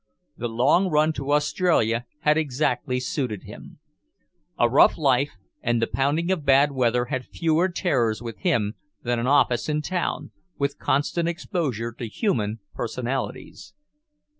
The long run to Australia had exactly suited him. A rough life and the pounding of bad weather had fewer terrors for him than an office in town, with constant exposure to human personalities.